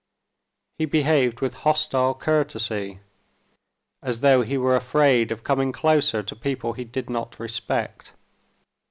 He behaved with hostile courtesy, as though he were afraid of coming closer to people he did not respect.